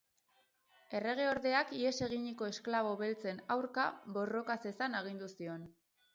Erregeordeak ihes eginiko esklabo beltzen aurka borroka zezan agindu zion.